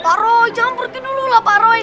pak roy jangan pergi dulu lah pak roy